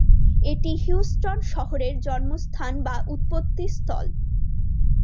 এটি হিউস্টন শহরের জন্মস্থান বা উৎপত্তি স্থল।